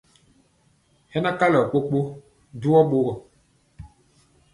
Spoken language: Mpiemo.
Hɛ na kalɔ kpokpo ɗuyɔ ɓogɔ.